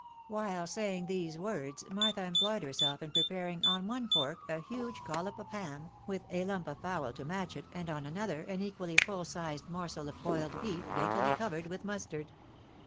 While saying these words, Martha employed herself in preparing on one fork a huge collop of ham, with a lump of fowl to match it, and on another, an equally full sized morsel of boiled beef, daintily covered with mustard.